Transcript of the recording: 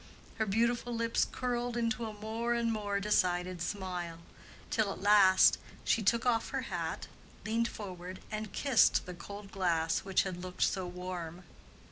Her beautiful lips curled into a more and more decided smile, till at last she took off her hat, leaned forward and kissed the cold glass which had looked so warm.